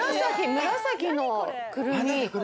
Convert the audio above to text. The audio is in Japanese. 紫のくるみ。